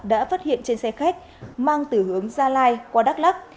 đã phát hiện trên xe khách mang từ hướng gia lai qua đắk lắc